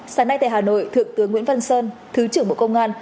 sáng nay tại hà nội thượng tướng nguyễn văn sơn thứ trưởng bộ công an